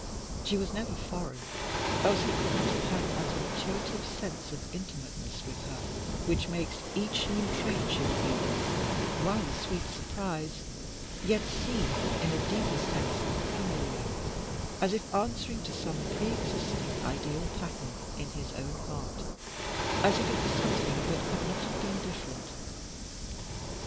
She was never foreign, else he could not have had that intuitive sense of intimateness with her which makes each new trait which she reveals, while a sweet surprise, yet seem in a deeper sense familiar, as if answering to some pre existing ideal pattern in his own heart, as if it were something that could not have been different.